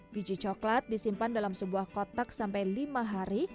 biji coklat disimpan dalam sebuah kotak sampai lima hari